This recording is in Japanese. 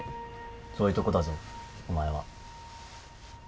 そういうとこだぞお前は。